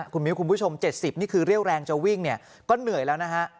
คุณมิ้วคุณผู้ชม๗๐นี่คือเรี่ยวแรงจะวิ่งเนี่ยก็เหนื่อยแล้วนะฮะ